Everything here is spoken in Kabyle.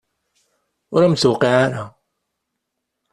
Ur am-d-tuqiɛ ara.